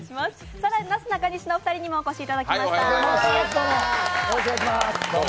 更に、なすなかにしのお二人にもお越しいただきました。